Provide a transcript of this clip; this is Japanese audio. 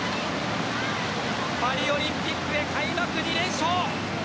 パリオリンピックへ開幕２連勝。